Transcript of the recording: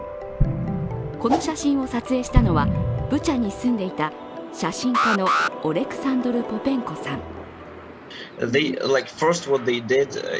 この写真を撮影したのは、ブチャに住んでいた写真家のオレクサンドル・ポペンコさん。